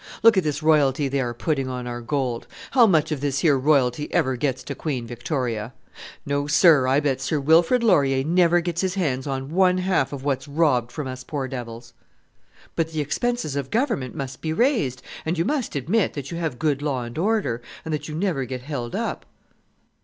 Look at this royalty they are putting on our gold! how much of this here royalty ever gets to Queen Victoria? No, sir; I bet Sir Wilfrid Laurier never gets his hands on one half of what's robbed from us poor devils." "But the expenses of Government must be raised, and you must admit that you have good law and order, and that you never get held up."